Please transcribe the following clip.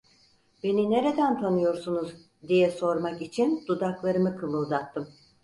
"Beni nereden tanıyorsunuz?" diye sormak için dudaklarımı kımıldattım.